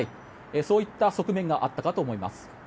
そういった側面があったかと思います。